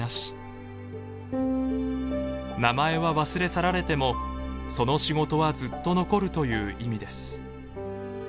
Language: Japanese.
名前は忘れ去られてもその仕事はずっと残るという意味です。